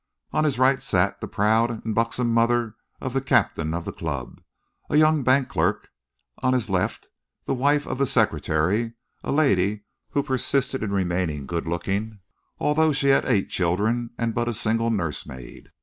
On his right sat the proud and buxom mother of the captain of the club, a young bank clerk; on his left, the wife of the secretary, a lady who persisted in remaining good looking although she had eight children and but a single nursemaid.